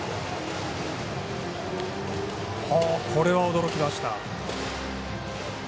これは驚きました。